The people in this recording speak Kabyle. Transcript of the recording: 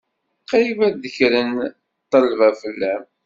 Qrib ad ddekren ṭṭelba fell-am.